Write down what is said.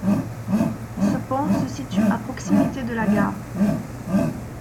Ce pont se situe à proximité de la gare.